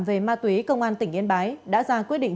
về ma túy công an tỉnh yên bái đã ra quyết định